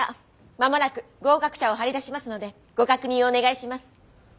間もなく合格者を貼り出しますのでご確認をお願いします。